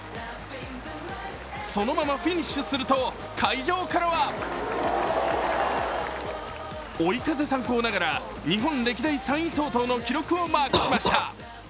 そのままフィニッシュすると、会場からは追い風参考ながら日本歴代３位相当の記録をマークしました。